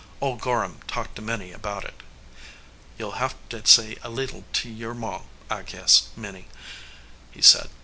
Old Gorham talked to Minnie about it. "You ll have to say a leetle to your Ma, I guess, Minnie," he said.